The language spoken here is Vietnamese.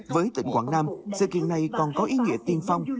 với tỉnh quảng nam sự kiện này còn có ý nghĩa tiên phong